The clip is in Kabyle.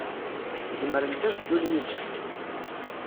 Zemrent ad ddun yid-s.